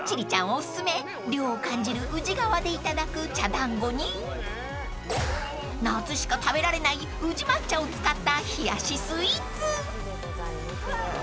おすすめ涼を感じる宇治川でいただく茶だんごに夏しか食べられない宇治抹茶を使った冷やしスイーツ］